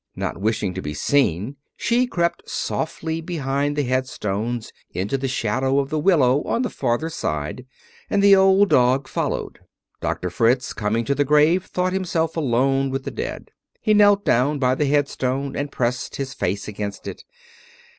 Not wishing to be seen, she crept softly behind the headstones into the shadow of the willow on the farther side, and the old dog followed. Doctor Fritz, coming to the grave, thought himself alone with the dead. He knelt down by the headstone and pressed his face against it.